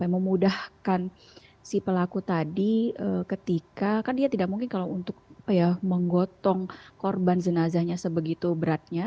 memudahkan si pelaku tadi ketika kan dia tidak mungkin kalau untuk menggotong korban jenazahnya sebegitu beratnya